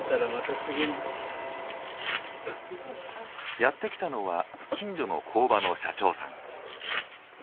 やって来たのは近所の工場の社長さん。